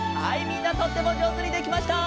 みんなとってもじょうずにできました！